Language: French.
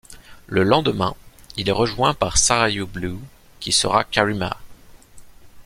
Le lendemain, il est rejoint par Sarayu Blue, qui sera Kareema.